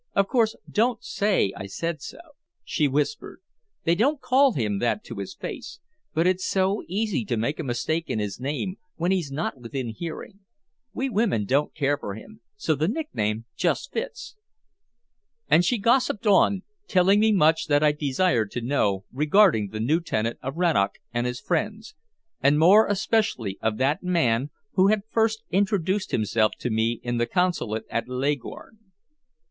"Of course, don't say I said so," she whispered. "They don't call him that to his face, but it's so easy to make a mistake in his name when he's not within hearing. We women don't care for him, so the nickname just fits." And she gossiped on, telling me much that I desired to know regarding the new tenant of Rannoch and his friends, and more especially of that man who had first introduced himself to me in the Consulate at Leghorn.